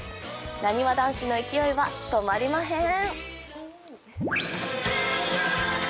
なにわ男子の勢いはとまりまへーん。